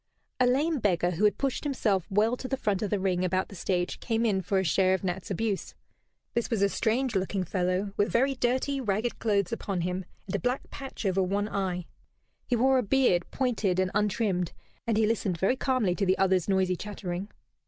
A lame beggar who had pushed himself well to the front of the ring about the stage came in for a share of Nat's abuse. This was a strange looking fellow, with very dirty ragged clothes upon him, and a black patch over one eye. He wore a beard, pointed and untrimmed, and he listened very calmly to the other's noisy chattering.